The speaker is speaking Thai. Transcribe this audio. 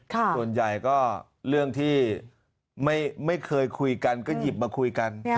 ส่วนใหญ่ก็เรื่องที่ไม่เคยคุยกันก็หยิบมาคุยกัน